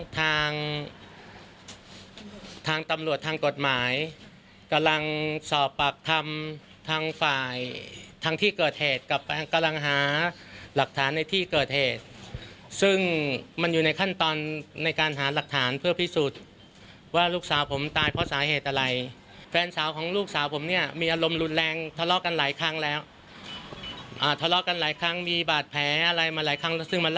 ทางทางตำรวจทางกฎหมายกำลังสอบปากคำทางฝ่ายทางที่เกิดเหตุกับกำลังหาหลักฐานในที่เกิดเหตุซึ่งมันอยู่ในขั้นตอนในการหาหลักฐานเพื่อพิสูจน์ว่าลูกสาวผมตายเพราะสาเหตุอะไรแฟนสาวของลูกสาวผมเนี่ยมีอารมณ์รุนแรงทะเลาะกันหลายครั้งแล้วทะเลาะกันหลายครั้งมีบาดแผลอะไรมาหลายครั้งแล้วซึ่งมัน